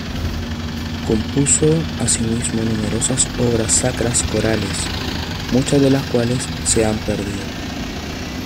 Compuso asimismo numerosas obras sacras corales, muchas de las cuales se han perdido.